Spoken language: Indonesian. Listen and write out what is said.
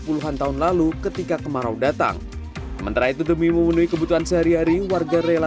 puluhan tahun lalu ketika kemarau datang sementara itu demi memenuhi kebutuhan sehari hari warga rela